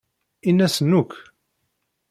Ini-asen akk.